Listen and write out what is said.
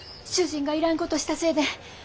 主人がいらんことしたせいで。